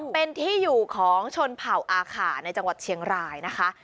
เป็นที่อยู่ของชนเผ่าอาขาในจังหวัดเชียงรายนะคะ